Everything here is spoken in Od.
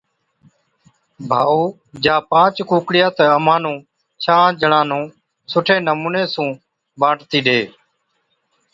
ڀائُو، جا پانچ ڪُوڪڙِيا تہ امهان ڇهان جڻان نُون سُٺي نمُوني سُون بانٽتِي ڏي۔